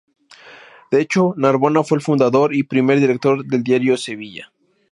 De hecho, Narbona fue el fundador y primer director del diario "Sevilla".